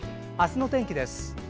あすの天気です。